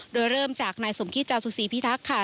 โดยเริ่มจากนายสมคิตจาสุศรีพิทักษ์ค่ะ